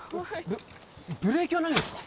ブブレーキはないんですか？